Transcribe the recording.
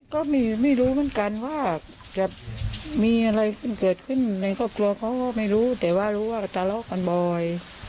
ก็ไม่รู้เหมือนกันว่าจะมีอะไรเกิดขึ้นในครอบครัวเขาก็ไม่รู้แต่ว่ารู้ว่าทะเลาะกันบ่อย